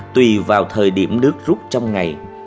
tùy vào thời điểm nước rút trong ngày